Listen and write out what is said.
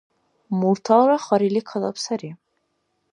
Мурталра харили калаб сари.